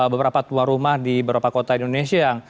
beberapa tuan rumah di beberapa kota indonesia yang